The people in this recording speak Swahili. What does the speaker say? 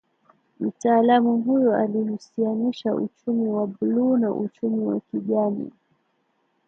Mtaalamu huyo alihusianisha uchumi wa bluu na uchumi wa kijani